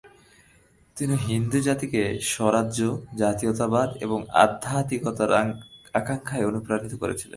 তিনি হিন্দু জাতিকে স্বরাজ্য, জাতীয়তাবাদ এবং আধ্যাত্মিকতার আকাঙ্ক্ষায় অনুপ্রাণিত করেছিলেন।